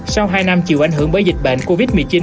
sau hai năm chịu ảnh hưởng bởi dịch bệnh covid một mươi chín